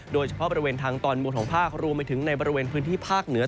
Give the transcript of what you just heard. โดยเฉพาะบริเวณทางตอนบนของภาครวมไปถึงในบริเวณพื้นที่ภาคเหนือ